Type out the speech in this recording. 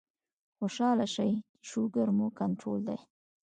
خوشاله شئ چې شوګر مو کنټرول دے